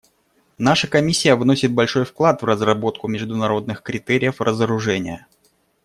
Наша Комиссия вносит большой вклад в разработку международных критериев разоружения.